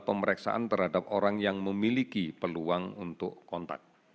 pemeriksaan terhadap orang yang memiliki peluang untuk kontak